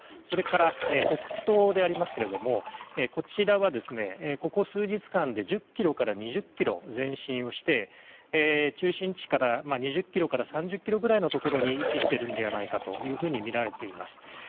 それから、北東でありますがこちらはここ数日間で１０ｋｍから２０ｋｍ前進して中心地から２０ｋｍから３０ｋｍくらいのところに位置しているのではないかとみられています。